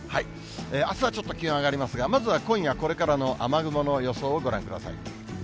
あすはちょっと気温上がりますが、まずは今夜、これからの雨雲の予想をご覧ください。